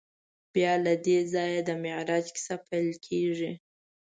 بیا له دې ځایه د معراج کیسه پیل کېږي.